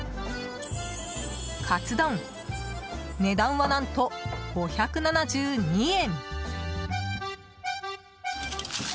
カツ丼、値段は何と５７２円。